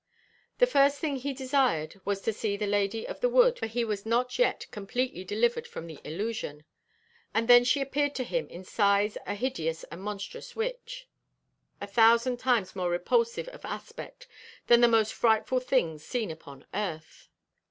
The first thing he desired was to see the Lady of the Wood, for he was not yet completely delivered from the illusion. And then she appeared to him in size a hideous and monstrous witch, a thousand times more repulsive of aspect than the most frightful things seen upon earth.